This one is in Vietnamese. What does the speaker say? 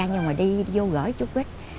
nhưng mà đi vô gửi chút vít